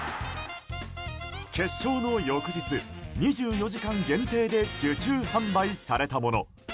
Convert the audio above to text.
決勝の翌日２４時間限定で受注販売されたもの。